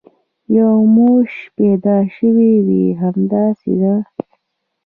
یو موش پیدا شوی وي، همداسې ده.